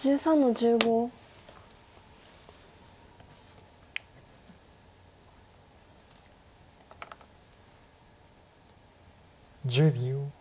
１０秒。